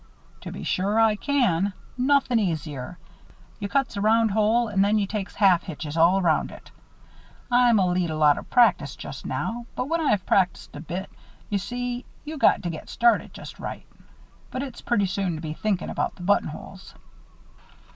"To be sure I can. Nothin' easier. You cuts a round hole and then you takes half hitches all around it. I'm a leetle out of practice just now; but when I've practiced a bit you see, you got to get started just right. But it's pretty soon to be thinkin' about the buttonholes."